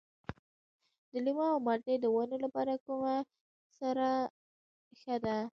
د لیمو او مالټې د ونو لپاره کومه سره ښه ده؟